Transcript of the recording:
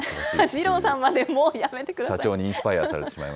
二郎さんまで、もう、やめてください。